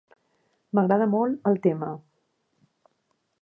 M'agrada molt el tema.